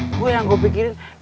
nah gue yang mikirin